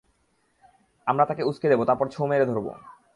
আমরা তাকে উস্কে দেবো তারপর ছোঁ মেরে ধরবো।